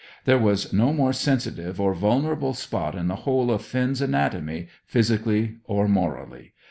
There was no more sensitive or vulnerable spot in the whole of Finn's anatomy, physically or morally.